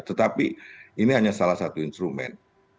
tetapi ini hanya salah satu instrumen